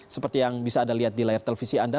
seperti yang bisa anda lihat di layar televisi anda